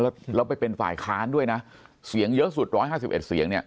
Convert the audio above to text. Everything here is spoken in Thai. แล้วไปเป็นฝ่ายค้านด้วยนะเสียงเยอะสุด๑๕๑เสียงเนี่ย